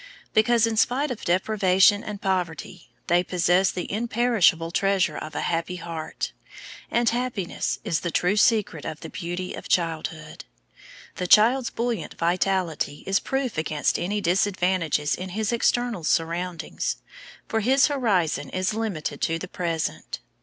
Because, in spite of deprivation and poverty, they possess the imperishable treasure of a happy heart; and happiness is the true secret of the beauty of childhood. The child's buoyant vitality is proof against any disadvantages in his external surroundings; for his horizon is limited to the present.